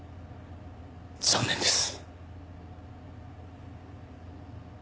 残念です。